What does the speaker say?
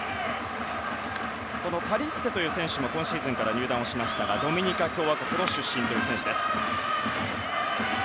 カリステという選手も今シーズンから入団しましたがドミニカ共和国の出身の選手です。